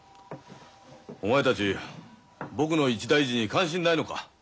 お前たち僕の一大事に関心ないのか。